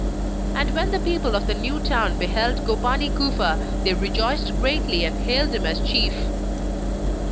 And when the people of the new town beheld Gopani Kufa they rejoiced greatly and hailed him as chief.